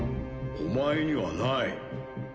お前にはない。